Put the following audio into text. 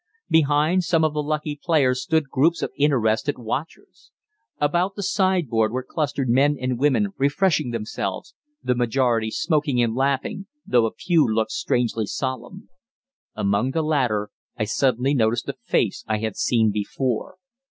Behind some of the lucky players stood groups of interested watchers. About the sideboard were clustered men and women refreshing themselves, the majority smoking and laughing, though a few looked strangely solemn. Among the latter I suddenly noticed a face I had seen before.